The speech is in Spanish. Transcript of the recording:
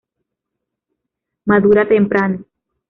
Madura temprano.